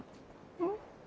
うん？